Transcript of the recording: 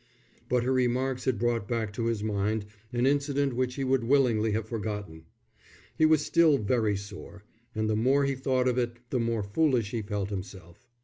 But her remarks had brought back to his mind an incident which he would willingly have forgotten. He was still very sore, and the more he thought of it the more foolish he felt himself.